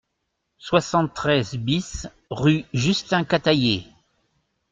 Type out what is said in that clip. soixante-treize BIS rue Justin Catayée